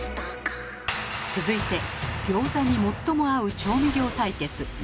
続いてギョーザに最も合う調味料対決。